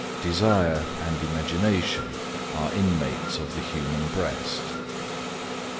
Desire and imagination are inmates of the human breast.